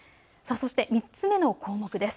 そして３つ目の項目です。